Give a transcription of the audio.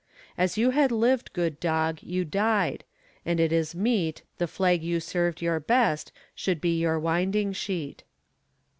As you had lived, good dog, you died, And it is meet The flag you served your best should be Your winding sheet.